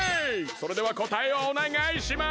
それではこたえをおねがいします！